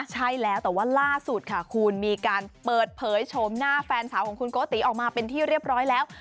ใช่แล้วแต่ว่าล่าสุดค่ะคุณมีการเปิดเผยโฉมหน้าแฟนสาวของคุณโกติออกมาเป็นที่เรียบร้อยแล้ว